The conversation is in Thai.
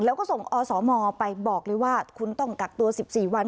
แล้วก็ส่งอสมไปบอกเลยว่าคุณต้องกักตัว๑๔วัน